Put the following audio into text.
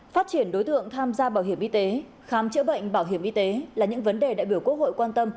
phát triển đối tượng tham gia bảo hiểm y tế khám chữa bệnh bảo hiểm y tế là những vấn đề đại biểu quốc hội quan tâm